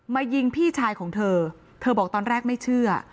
ยิงพี่ชายของเธอเธอบอกตอนแรกไม่เชื่อ